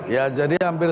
ya jadi hampir